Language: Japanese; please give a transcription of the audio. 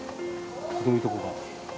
どういうとこが？